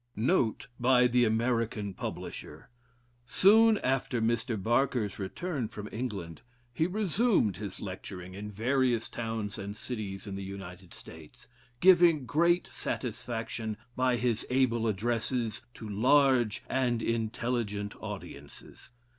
J. W. Note by the American Publisher. Soon after Mr. Barker's return from England, he resumed his lecturing in various towns and cities in the United States, giving great satisfaction, by his able addresses, to large and intelligent audiences.